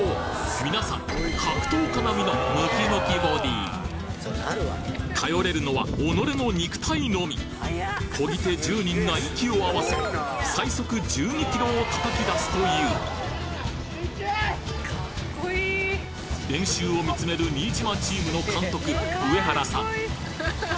皆さん格闘家並みのムキムキボディー頼れるのは己の肉体のみ漕ぎ手１０人が息を合わせ最速１２ｋｍを叩き出すという練習をみつめる新島チームの監督上原さん